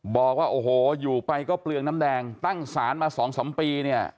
บอกว่าโอ้โหอยู่ไปก็เปลืองน้ำแดงตั้งศาลมา๒๓ปีเนี่ย